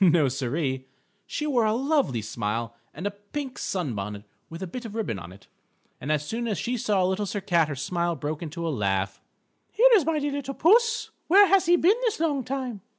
No, Siree. She wore a lovely smile and a pink sun bonnet with a bit of ribbon on it. And as soon as she saw Little Sir Cat her smile broke into a laugh: "Here is my dear little puss. Where has he been this long time?"